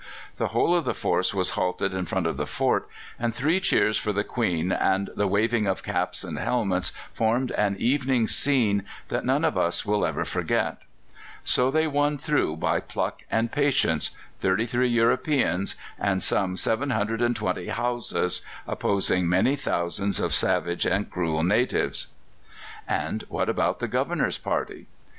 The whole of the force was halted in front of the fort, and three cheers for the Queen and the waving of caps and helmets formed an evening scene that none of us will ever forget." So they won through by pluck and patience 33 Europeans and some 720 Hausas opposing many thousands of savage and cruel natives. And what about the Governor's party?